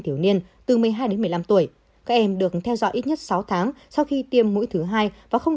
thiếu niên từ một mươi hai đến một mươi năm tuổi các em được theo dõi ít nhất sáu tháng sau khi tiêm mũi thứ hai và không